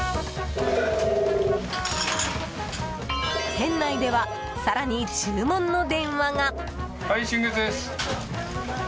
店内では更に注文の電話が。